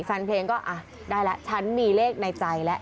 แฟนเพลงก็อ่ะได้แล้วฉันมีเลขในใจแล้ว